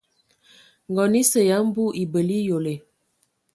Ngɔn esə ya mbu ebələ eyole.